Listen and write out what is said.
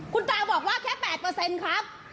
คุณตาบอกว่าแค่๘ครับ